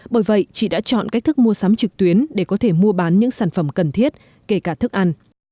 bởi vậy chị đã chọn cách thức mua sắm trực tuyến để có thể mua bán những sản phẩm cần thiết kể cả thức ăn